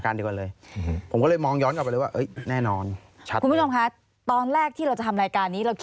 แรกยังไม่ค่อยดังเท่าไหร่